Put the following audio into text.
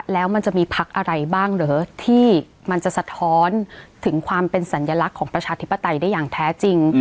แล้วมันจะมีพักอะไรบ้างเหรอที่มันจะสะท้อนถึงความเป็นสัญลักษณ์ของประชาธิปไตยได้อย่างแท้จริง